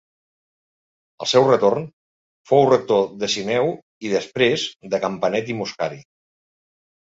Al seu retorn, fou rector de Sineu i, després, de Campanet i Moscari.